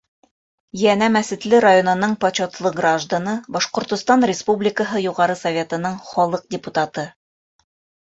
Йәнә Мәсетле районының почетлы гражданы, Башҡортостан Республикаһы Юғары Советының халыҡ депутаты.